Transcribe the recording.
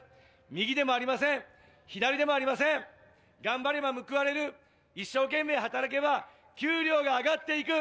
右でもありません、左でもありません、頑張れば報われる一生懸命働けば給料が上がっていく。